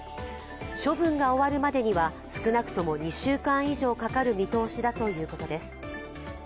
処分が終わるまでには少なくとも２週間以上かかる見通しだということです。